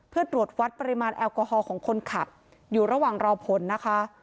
เพื่อตรวจวัดปริมาณแอลกอฮอล์ของคนขับอยู่ระหว่างรอผลนะคะ